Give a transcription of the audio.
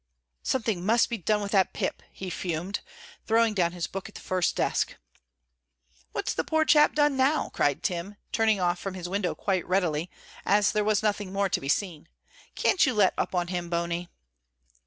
"Something must be done with that Pip!" he fumed, throwing down his book on the first desk. "What's the poor chap done now?" cried Tim, turning off from his window quite readily, as there was nothing more to be seen. "Can't you let up on him, Bony?"